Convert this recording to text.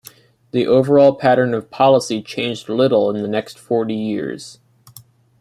The overall pattern of policy changed little in the next forty years.